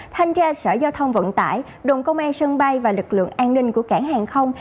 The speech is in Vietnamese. thanh tra sở giao thông vận tải đồn công an sân bay và lực lượng an ninh của cảng hàng không